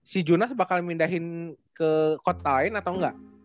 si junas bakal di pindahin ke kota lain atau engga